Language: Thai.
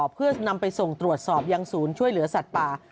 เพื่อนำไปส่งตรวจสอบยังศูนย์ช่วยเหลือสัตว์ป่า